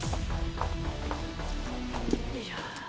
よいしょ。